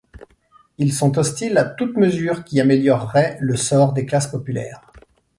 Ils sont hostiles à toutes mesures qui amélioreraient le sort des classes populaires.